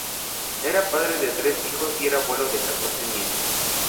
Era padre de tres hijos y era abuelo de catorce nietos.